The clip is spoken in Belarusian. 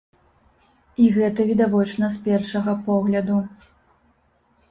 І гэта відавочна з першага погляду.